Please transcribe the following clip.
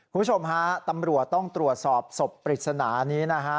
คุณผู้ชมฮะตำรวจต้องตรวจสอบศพปริศนานี้นะฮะ